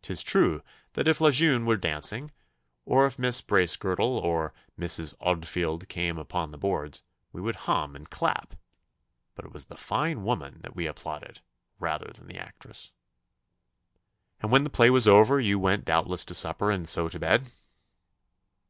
'Tis true that if La Jeune were dancing, or if Mrs. Bracegirdle or Mrs. Oldfield came upon the boards, we would hum and clap, but it was the fine woman that we applauded rather than the actress.' 'And when the play was over you went doubtless to supper and so to bed?